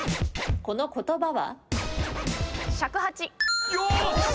この言葉は？